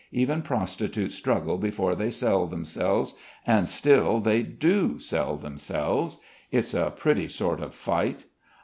Even prostitutes struggle before they sell themselves, and still they do sell themselves. It's a pretty sort of fight.